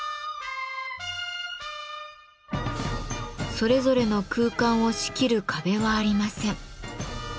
それぞれの空間を仕切る壁はありません。